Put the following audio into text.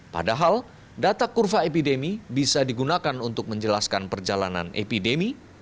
padahal data kurva epidemi bisa digunakan untuk menjelaskan perjalanan epidemi